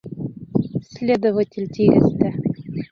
Следователь тигәс тә...